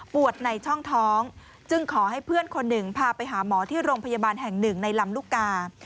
ในช่องท้องจึงขอให้เพื่อนคนหนึ่งพาไปหาหมอที่โรงพยาบาลแห่งหนึ่งในลำลูกกา